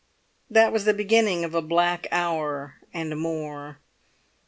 That was the beginning of a black hour and more.